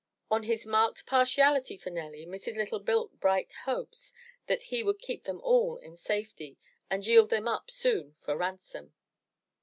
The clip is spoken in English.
On his marked partiality for Nelly, Mrs. Lytle built bright hopes that he would keep them all in safety and yield them up soon for ransom.